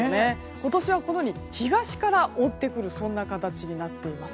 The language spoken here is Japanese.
今年は東から覆ってくる形になっています。